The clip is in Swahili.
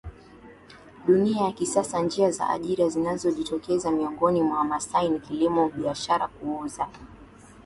dunia ya kisasaNjia za ajira zinazojitokeza miongoni mwa Wamasai ni kilimo biashara kuuza